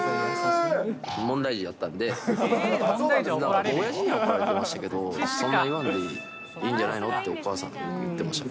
問題児だったんで、おやじには怒られてましたけど、そんな言わんでいいんじゃないの？ってお母さんが言ってました。